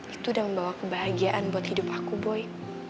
itu udah membawa kebahagiaan buat hidup aku boy